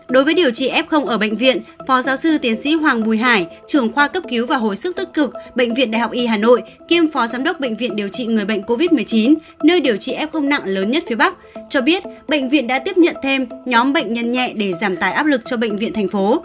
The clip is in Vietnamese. đối với điều trị f ở bệnh viện phó giáo sư tiến sĩ hoàng bùi hải trường khoa cấp cứu và hồi sức tích cực bệnh viện đại học y hà nội kiêm phó giám đốc bệnh viện điều trị người bệnh covid một mươi chín nơi điều trị f nặng lớn nhất phía bắc cho biết bệnh viện đã tiếp nhận thêm nhóm bệnh nhân nhẹ để giảm tải áp lực cho bệnh viện thành phố